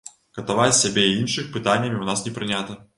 Катаваць сябе і іншых пытаннямі ў нас не прынята.